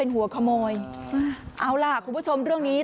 สองสามีภรรยาคู่นี้มีอาชีพ